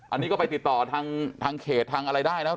อันนี้ก็ไปติดต่อทางเขตทางอะไรได้แล้ว